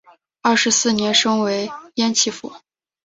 二十四年升为焉耆府。